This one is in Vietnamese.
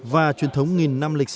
và truyền thống nghìn năm lịch sử